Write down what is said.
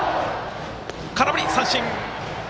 空振り三振。